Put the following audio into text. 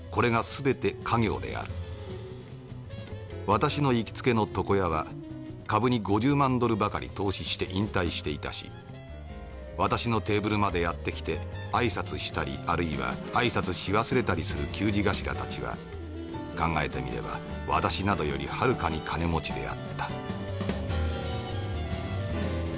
私の行きつけの床屋は株に５０万ドルばかり投資して引退していたし私のテーブルまでやって来て挨拶したりあるいは挨拶し忘れたりする給仕頭たちは考えてみれば私などよりはるかに金持ちであった」。